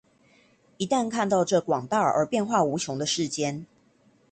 一旦看到這廣大而變化無窮的世間